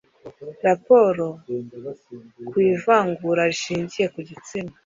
Raporo ku ivangura rishingiye ku gitsina